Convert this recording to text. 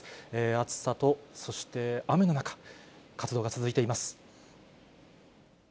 暑さとそして雨の中、活動が続いています。